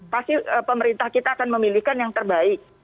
pasti pemerintah kita akan memilihkan yang terbaik